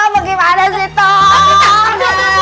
bagaimana sih toh